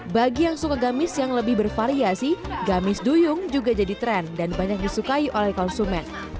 bagi yang suka gamis yang lebih bervariasi gamis duyung juga jadi tren dan banyak disukai oleh konsumen